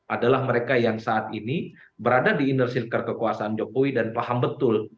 adalah mereka yang saat ini berada di inner circle kekuasaan jokowi dan paham betul